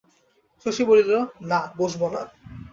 শশী বলিল, না, বসব না।